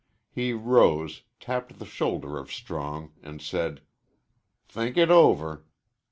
He rose, tapped the shoulder of Strong, and said, "Think it over."